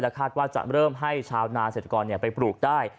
คาดว่าจะเริ่มให้ชาวนาเศรษฐกรไปปลูกได้